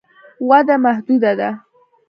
وده محدوده ده.